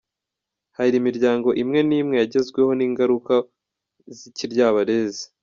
Hari imiryango imwe n’imwe yagezweho n’ingaruka z’Ikiryabarezi.